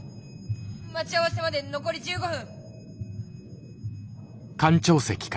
待ち合わせまで残り１５分。